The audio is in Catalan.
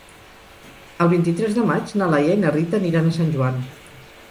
El vint-i-tres de maig na Laia i na Rita aniran a Sant Joan.